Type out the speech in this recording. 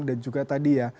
dan juga tadi ya